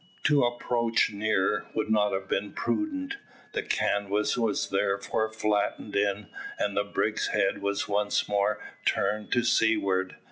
To approach nearer would not have been prudent. The canvas was therefore flattened in, and the brig's head was once more turned to seaward.